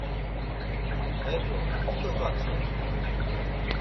E do, mu dogatzonu?